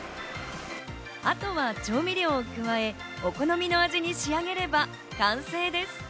あとは調味料を加え、お好みの味に仕上げれば完成です。